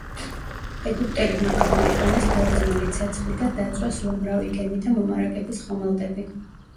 ეგვიპტელებმა გამოიყენეს ბერძნული ცეცხლი და დაწვეს უამრავი გემი და მომარაგების ხომალდები.